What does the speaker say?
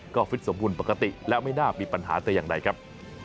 ก็ฟิตสมบูรณ์ปกติและไม่น่ามีปัญหาแต่อย่างใดครับ